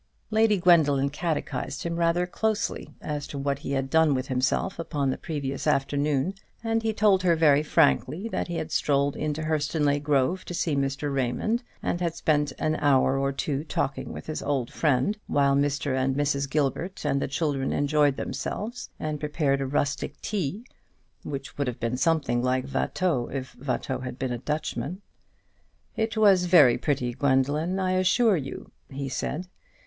Lady Gwendoline catechised him rather closely as to what he had done with himself upon the previous afternoon; and he told her very frankly that he had strolled into Hurstonleigh Grove to see Mr. Raymond, and had spent an hour or two talking with his old friend, while Mr. and Mrs. Gilbert and the children enjoyed themselves, and prepared a rustic tea, which would have been something like Watteau, if Watteau had been a Dutchman. "It was very pretty, Gwendoline, I assure you," he said.